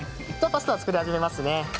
パスタ作り始めますね。